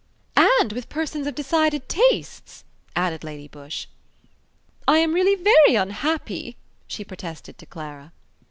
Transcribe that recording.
"And with persons of decided tastes," added Lady Busshe. "I am really very unhappy," she protested to Clara.